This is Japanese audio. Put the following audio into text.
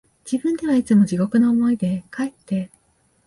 自分ではいつも地獄の思いで、かえって、